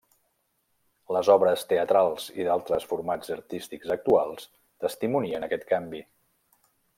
Les obres teatrals i d'altres formats artístics actuals testimonien aquest canvi.